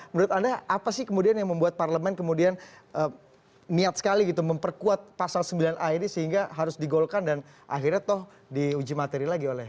menurut anda apa sih kemudian yang membuat parlemen kemudian niat sekali gitu memperkuat pasal sembilan a ini sehingga harus digolkan dan akhirnya toh diuji materi lagi oleh